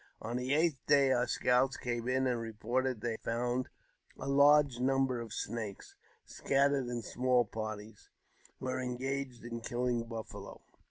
On the eighth day our scouts came in and reported that they had found a large number of the Snakes, scattered in small parties, who were engaged in killing buffalo.